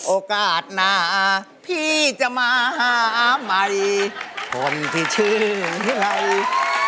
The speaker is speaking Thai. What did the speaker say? โอกาสหน้าพี่จะมาหาใหม่คนที่ชื่อไร